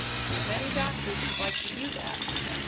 Many doctors would like to do that.